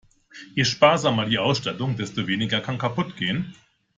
Je sparsamer die Ausstattung, desto weniger kann kaputt gehen.